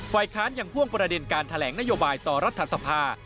ค้านยังพ่วงประเด็นการแถลงนโยบายต่อรัฐสภา